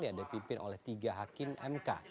yang dipimpin oleh tiga hakim mk